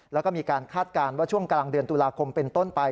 แล้วก็มีการคาดการณ์ว่าช่วงกลางเดือนตุลาคมเป็นต้นไป